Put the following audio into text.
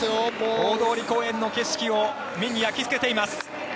大通公園の景色を目に焼きつけています。